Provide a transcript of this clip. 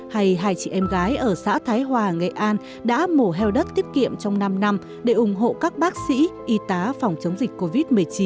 hay hai chị em gái ở xã thái hòa nghệ an đã mổ heo đất tiết kiệm trong năm năm để ủng hộ các bác sĩ y tá phòng chống dịch covid một mươi chín